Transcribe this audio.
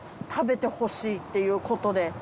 食べてほしいっていうことで。